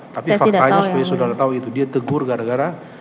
tapi faktanya seperti saudara tahu itu dia tegur gara gara